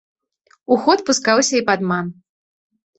У ход пускаўся і падман.